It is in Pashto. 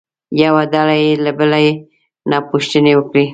یوه ډله دې له بلې نه پوښتنې وکړي.